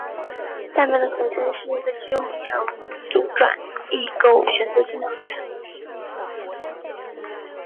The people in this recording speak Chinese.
下面的合成是一个具有阻转异构选择性的合成。